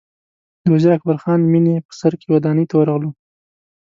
د وزیر اکبر خان مېنې په سر کې ودانۍ ته ورغلو.